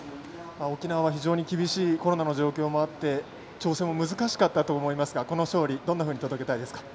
沖縄は非常に厳しいコロナの状況もあって調整も難しかったと思いますがこの勝利どう届けたいですか？